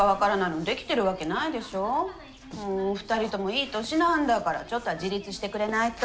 もう２人ともいい年なんだからちょっとは自立してくれないと。